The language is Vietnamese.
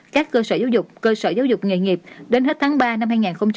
các cơ sở giáo dục cơ sở giáo dục nghề nghiệp đến hết tháng ba năm hai nghìn hai mươi